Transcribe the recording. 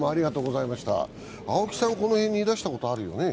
青木さん、この辺にいらしたことあるよね？